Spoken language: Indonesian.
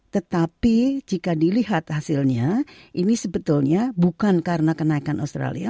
tetapi jika dilihat hasilnya ini sebetulnya bukan karena kenaikan australia